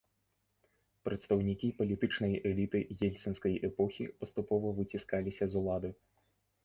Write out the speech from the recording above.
Прадстаўнікі палітычнай эліты ельцынскай эпохі паступова выціскаліся з улады.